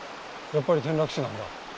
やっぱり転落死なんだ。